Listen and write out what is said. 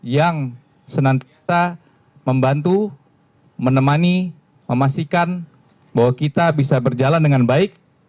yang senantiasa membantu menemani memastikan bahwa kita bisa berjalan dengan baik